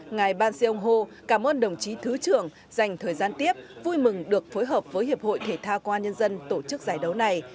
ngày ban xê ông hô cảm ơn đồng chí thứ trưởng dành thời gian tiếp vui mừng được phối hợp với hiệp hội thể thao công an nhân dân tổ chức giải đấu này